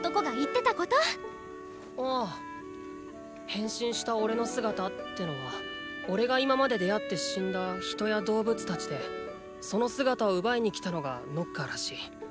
変身したおれの姿ってのはおれが今まで出会って死んだ人や動物達でその姿を奪いに来たのがノッカーらしい。